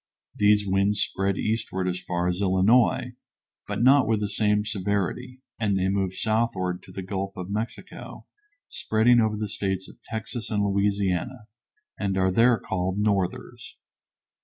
These winds spread eastward as far as Illinois, but not with the same severity, and they move southward to the Gulf of Mexico, spreading over the States of Texas and Louisiana, and are there called "northers."